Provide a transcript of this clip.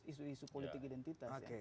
isu isu politik identitas ya